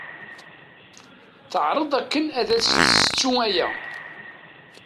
Teɛreḍ akken ad as-tessettu aya.